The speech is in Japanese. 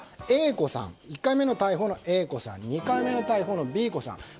１回目の逮捕のＡ子さん２回目の逮捕のＢ子さん。